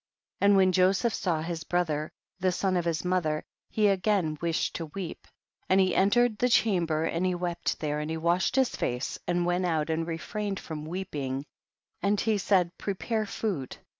10. And when Joseph saw his brother, the son of his mother, he again wished to weep, and he enter ed the chamber, and he wept there, and he washed his face, and went out and refrained //"om weeping, and he said, prepare food.